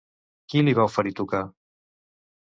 Qui li va oferir tocar?